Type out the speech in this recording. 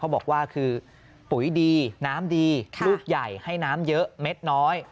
บอกว่าคือปุ๋ยดีน้ำดีลูกใหญ่ให้น้ำเยอะเม็ดน้อย